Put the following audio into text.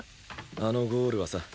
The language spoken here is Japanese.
あのゴールはさ